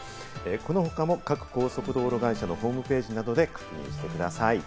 このほかも各高速道路会社のホームページなどで確認してください。